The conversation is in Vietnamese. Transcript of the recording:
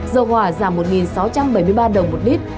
dầu hỏa giảm một sáu trăm bảy mươi ba đồng một lít